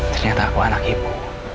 ternyata aku anak ibu